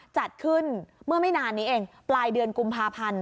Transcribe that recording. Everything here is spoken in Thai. จัดขึ้นเมื่อไม่นานนี้เองปลายเดือนกุมภาพันธ์